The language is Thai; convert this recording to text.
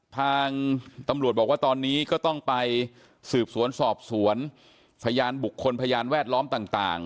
ทางตำรวจบอกว่าตอนนี้ก็ต้องไปสืบสวนสอบสวนพยานบุคคลพยานแวดล้อมต่าง